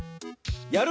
やる